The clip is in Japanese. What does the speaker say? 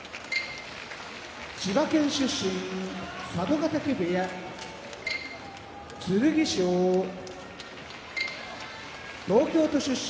千葉県出身佐渡ヶ嶽部屋剣翔東京都出身